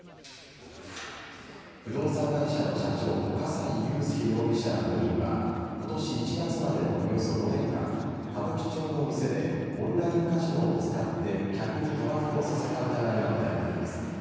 不動産会社の社長葛西悠介容疑者ら４人は今年１月までのおよそ５年間歌舞伎町の店でオンラインカジノを使って客に賭博をさせた疑いが持たれています。